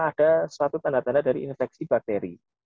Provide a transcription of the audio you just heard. ada suatu tanda tanda dari infeksi bakteri